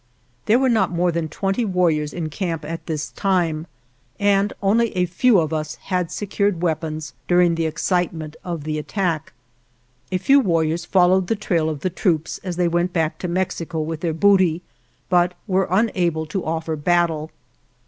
There were not more than twenty warriors in camp at this time, and only a few of us had secured weapons during the excitement of the attack. A few warriors followed the 64 UNDER DIFFICULTIES trail of the troops as they went back to Mex ico with their booty, but were unable to offer battle.